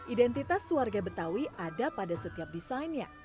identitas warga betawi ada pada setiap desainnya